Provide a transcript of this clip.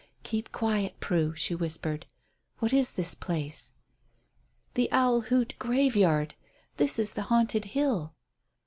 "Keep quiet, Prue," she whispered. "What is this place?" "The Owl Hoot graveyard. This is the Haunted Hill."